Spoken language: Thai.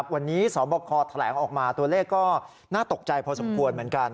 วันนี้สบคแถลงออกมาตัวเลขก็น่าตกใจพอสมควรเหมือนกัน